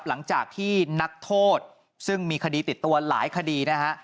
หลังจากที่นักโทษซึ่งมีคดีติดตัวหลายคดีนะฮะ